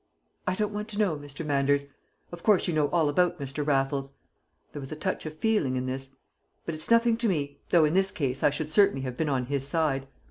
"I don't want to know, Mr. Manders! Of course you know all about Mr. Raffles" there was a touch of feeling in this "but it's nothing to me, though in this case I should certainly have been on his side.